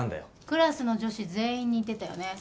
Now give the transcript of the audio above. クラスの女子全員に言ってたよねそれ。